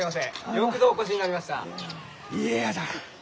よくぞお越しになりました。